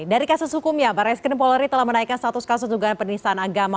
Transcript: dari kasus hukumnya barai sekedem poleri telah menaikkan status kasus dugaan penyisahan agama